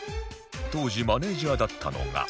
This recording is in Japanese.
当時マネジャーだったのが